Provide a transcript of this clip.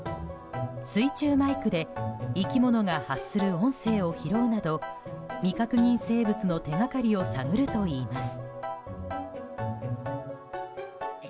水中マイクで生き物が発する音声を拾うなど未確認生物の手掛かりを探るといいます。